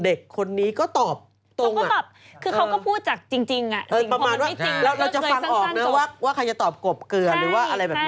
คนเด็กคนนี้ก็ตอบตรงอะ